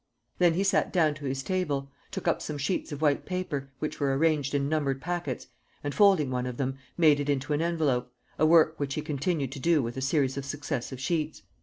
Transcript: Then he sat down to his table, took up some sheets of white paper, which were arranged in numbered packets, and, folding one of them, made it into an envelope, a work which he continued to do with a series of successive sheets.